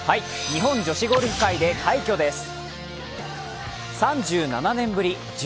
日本女子ゴルフ界で快挙です。